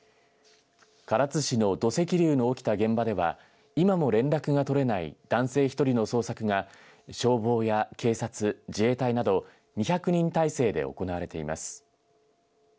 唐津市の土石流の起きた現場では今も連絡が取れない男性１人の捜索が消防や警察、自衛隊など２００人態勢で行われています。